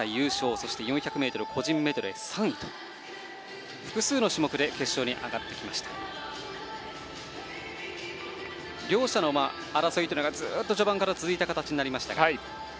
そして４００ｍ個人メドレー３位と複数の種目で決勝に上がってきました。両者の争いが序盤から続いた形になりました。